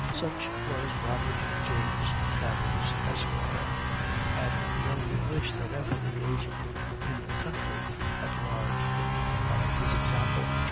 Such was Robert James Travers, Esq., and we only wish that every agent in the country at large would follow his example.